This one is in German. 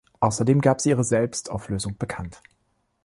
Außerdem gab sie ihre Selbstauflösung bekannt.